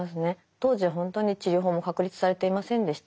当時本当に治療法も確立されていませんでした。